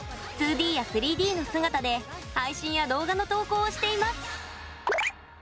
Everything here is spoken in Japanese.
２Ｄや３Ｄの姿で配信や動画の投稿をしています。